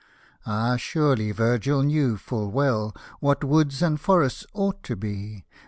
Ah, surely, Virgil knew full well What Woods and Forests ought to be.